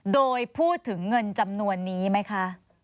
โดยพูดถึงเงินจำนวนนี้ไหมคะ